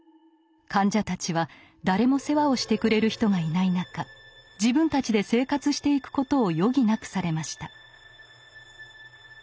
患者たちは誰も世話をしてくれる人がいない中自分たちで生活していくことを余儀なくされました。